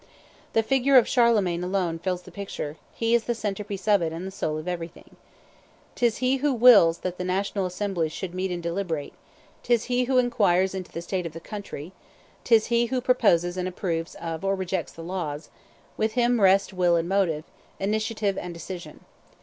The figure of Charlemagne alone fills the picture: he is the centre piece of it and the soul of everything. 'Tis he who wills that the national assemblies should meet and deliberate; 'tis he who inquires into the state of the country; 'tis he who proposes and approves of or rejects the laws; with him rest will and motive, initiative and decision.